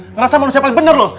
ngerasa manusia paling bener lo